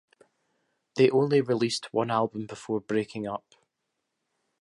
They only released one album before breaking up.